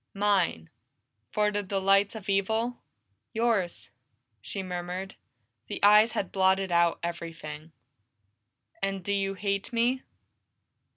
"Mine for the delights of evil?" "Yours!" she murmured. The eyes had blotted out everything. "And do you hate me?"